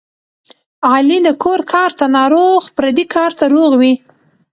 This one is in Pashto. علي د کور کار ته ناروغ پردي کار ته روغ وي.